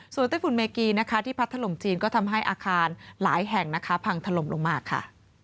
ไต้ฝุ่นเมกีนะคะที่พัดถล่มจีนก็ทำให้อาคารหลายแห่งนะคะพังถล่มลงมาค่ะ